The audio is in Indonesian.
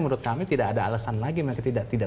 menurut kami tidak ada alasan lagi mereka tidak